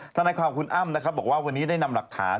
สำหรับความของคุณอ้ำบอกว่าวันนี้ได้นำหลักฐาน